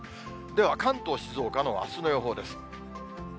では関東、静岡のあすの予報です。